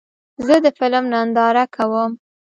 زه د فلم ننداره کوم.